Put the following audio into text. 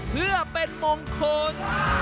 เพื่อเป็นมงคล